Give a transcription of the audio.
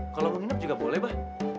kalau mau minum juga boleh bah